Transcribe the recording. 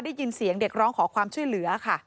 ได้ยินเสียงเด็กร้องขอความช่วยเหลือค่ะ